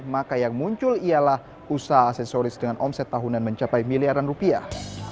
maka yang muncul ialah usaha aksesoris dengan omset tahunan mencapai miliaran rupiah